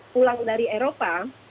pulang dari eropa